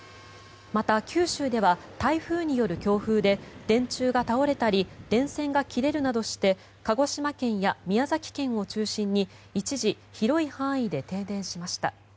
また、九州では台風による強風で電柱が倒れたり電線が切れるなどして鹿児島県や宮崎県を中心に一時、広い範囲で停電しました。